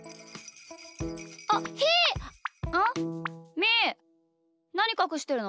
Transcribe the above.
みーなにかくしてるの？